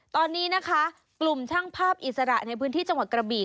ตอนนี้นะคะกลุ่มช่างภาพอิสระในพื้นที่จังหวัดกระบี